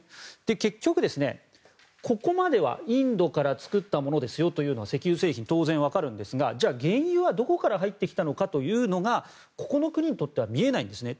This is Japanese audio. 結局、ここまではインドから作ったものですよというのは石油製品、当然わかるんですがじゃあ原油はどこから入ってきたのかというのがここの国にとっては見えないんですね。